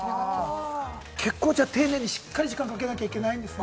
結構、丁寧にしっかり時間をかけなきゃいけないんですね。